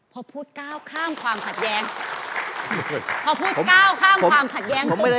พอพูดก้าวข้ามความขัดแย้ง